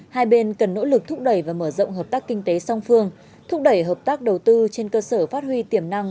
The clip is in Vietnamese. hai bên cần nỗ lực thúc đẩy và mở rộng hợp tác kinh tế song phương thúc đẩy hợp tác đầu tư trên cơ sở phát huy tiềm năng